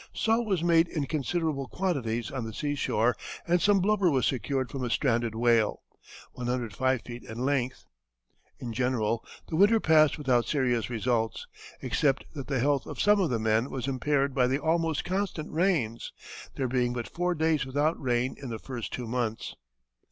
Salt was made in considerable quantities on the sea shore, and some blubber was secured from a stranded whale, 105 feet in length. In general, the winter passed without serious results, except that the health of some of the men was impaired by the almost constant rains, there being but four days without rain in the first two months.